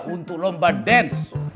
untuk lomba dance